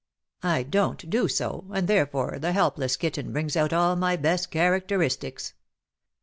I dont do so, and therefore the helpless kitten brings out all my best characteristics